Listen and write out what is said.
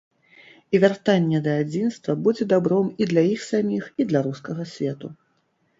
І вяртанне да адзінства будзе дабром і для іх саміх, і для рускага свету.